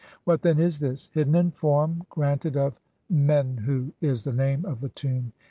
What then is this? "Hidden in form, granted of (142) Menhu", is the name of the tomb.